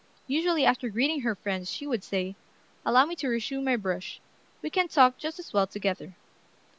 Usually after greeting her friends she would say, "Allow me to resume my brush; we can talk just as well together."